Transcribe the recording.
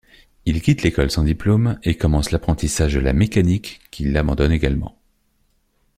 Il quitte l’école sans diplôme et commence l’apprentissage de la mécanique qu’il abandonne également.